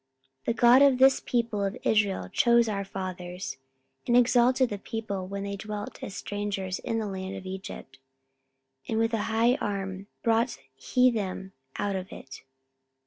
44:013:017 The God of this people of Israel chose our fathers, and exalted the people when they dwelt as strangers in the land of Egypt, and with an high arm brought he them out of it.